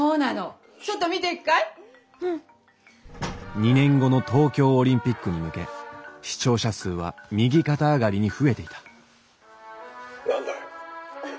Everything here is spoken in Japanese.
２年後の東京オリンピックに向け視聴者数は右肩上がりに増えていた「何だい？」。